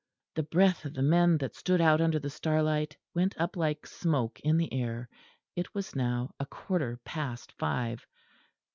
The breath of the men that stood out under the starlight went up like smoke in the air. It was now a quarter past five.